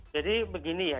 jadi begini ya